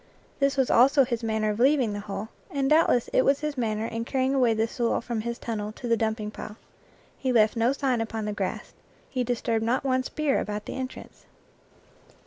This was also his manner of leaving the hole, and doubtless it was his manner in carrying away the soil, from his tun nel to the dumping pile. He left no sign upon 78 IN FIELD AND WOOD the grass, he disturbed not one spear about the en trance.